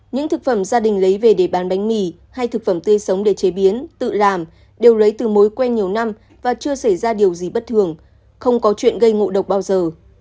những thực phẩm gia đình lấy về để bán bánh mì hay thực phẩm tươi sống để chế biến tự làm đều lấy từ mối quen nhiều năm và chưa xảy ra điều gì bất thường không có chuyện gây ngộ độc bao giờ